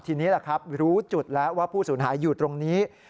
ทีนี้แหละครับรู้จุดแล้วว่าผู้สูญหายอยู่ตรงนี้